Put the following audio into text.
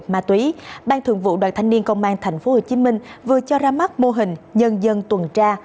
ma túy ban thường vụ đoàn thanh niên công an tp hcm vừa cho ra mắt mô hình nhân dân tuần tra